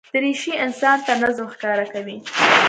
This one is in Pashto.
دریشي انسان ته نظم ښکاره کوي.